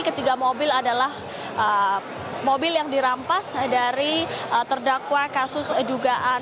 ketiga mobil adalah mobil yang dirampas dari terdakwa kasus dugaan